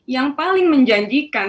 yang paling menjanjikan